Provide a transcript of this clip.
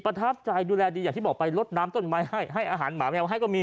ประทับใจดูแลดีอย่างที่บอกไปลดน้ำต้นไม้ให้ให้อาหารหมาแมวให้ก็มี